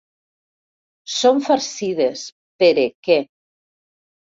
Són farcides, Pere que.